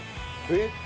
えっ？